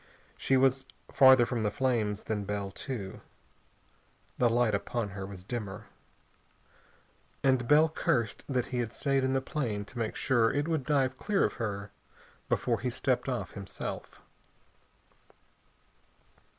She was farther from the flames than Bell, too. The light upon her was dimmer. And Bell cursed that he had stayed in the plane to make sure it would dive clear of her before he stepped off himself.